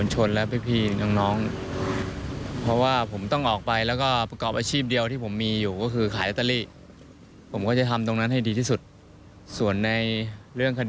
ให้นอนสบายใจสักคืนนึง